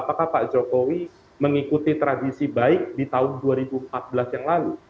apakah pak jokowi mengikuti tradisi baik di tahun dua ribu empat belas yang lalu